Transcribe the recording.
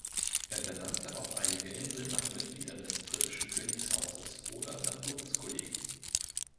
Er benannte auch einige Inseln nach Mitgliedern des britischen Königshauses oder nach Berufskollegen.